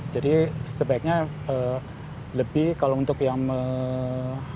jadi sebaiknya lebih kalau untuk yang menurut dokter agus